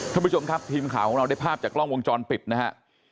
ท่านผู้ชมครับทีมข่าวของเราได้ภาพจากกล้องวงจรปิดนะฮะ